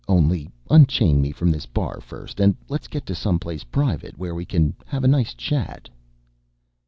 Only unchain me from this bar first and let's get to some place private where we can have a nice chat."